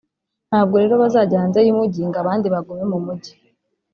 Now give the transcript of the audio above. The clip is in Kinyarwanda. ntabwo rero bazajya hanze y’umujyi ngo abandi bagume mu Mujyi